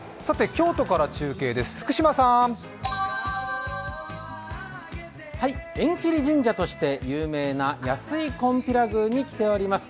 京都から中継です、福島さん縁切り神社として有名な安井金比羅宮に来ています。